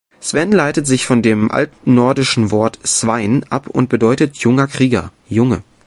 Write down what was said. Sven leitet sich von dem altnordischen Wort "sveinn" ab und bedeutet „junger Krieger“, „Junge“.